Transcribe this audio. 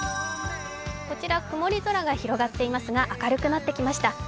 こちら、曇り空が広がっていますが明るくなってきました。